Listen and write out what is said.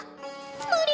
無理。